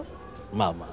まあまあ。